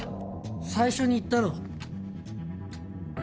最初に言ったろ。